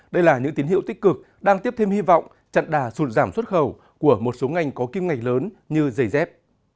đây là những tín hiệu tích cực đang tiếp thêm hy vọng chặn đà sụt giảm xuất khẩu của một số ngành có kim ngạch lớn như giày dép